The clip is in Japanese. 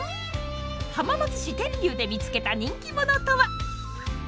浜松市天竜で見つけた人気者とは？